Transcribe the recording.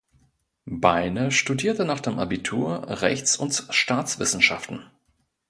Beine studierte nach dem Abitur Rechts- und Staatswissenschaften.